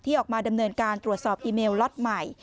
ออกมาดำเนินการตรวจสอบอีเมลล็อตใหม่